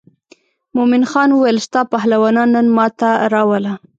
مومن خان وویل ستا پهلوانان نن ما ته راوله.